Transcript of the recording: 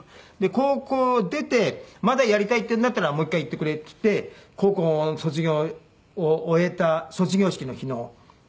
「高校を出てまだやりたいっていうんだったらもう一回言ってくれ」って言って高校卒業を終えた卒業式の日のですね。